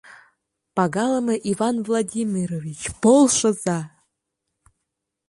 Пагалыме Иван Владимирович, полшыза!